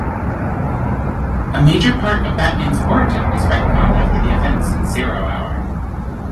A major part of Batman's origin was retconned after the events in "Zero Hour".